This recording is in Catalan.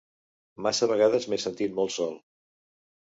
Massa vegades m’he sentit molt sol.